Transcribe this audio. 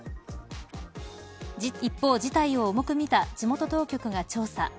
一方、事態を重くみた地元当局が調査。